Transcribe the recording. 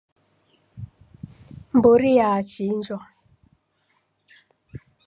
Mburi yachinjwa.